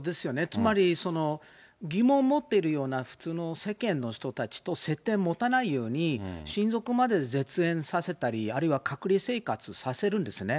つまり、疑問を持っているような普通の世間の人たちと接点持たないように、親族まで絶縁させたり、あるいは隔離生活させるんですね。